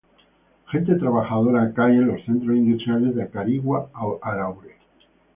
Gente trabajadora acá y en los centros industriales de acarigua araure.